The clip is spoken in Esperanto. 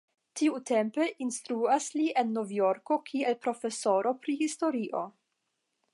Tiutempe instruas li en Novjorko kiel profesoro pri historio.